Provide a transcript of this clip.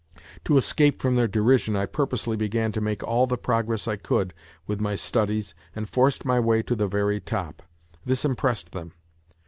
To escape from their derision I purposely began to make all the progress I could with my studies and forced my way to the very top. This impressed them.